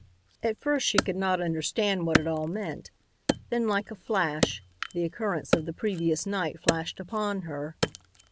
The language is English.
At first she could not understand what it all meant. Then, like a flash, the occurrence of the previous night flashed upon her.